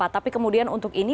tapi kemudian untuk ini